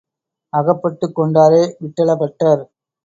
அகப்பட்டுக் கொண்டாரே விட்டல பட்டர்.